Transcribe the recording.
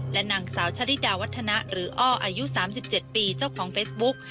นางสาวชะริดาวัฒนะหรืออ้ออายุ๓๗ปีเจ้าของเฟซบุ๊ก